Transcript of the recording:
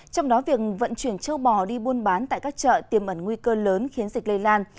trong đó việc vận chuyển châu bò đi buôn bán tại các chợ tiềm ẩn nguy cơ lớn khiến dịch lây lan